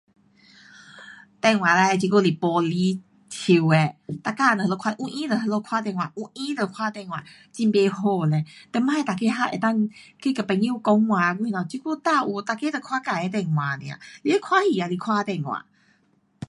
电话嘞这久是不离手的，每天都那里看，有闲就那里看电话，有闲就看电话很不好嘞，以前每个还能够去跟朋友讲话什么，这久哪有，每个都看自的电话 nia, 连看戏也是看电话。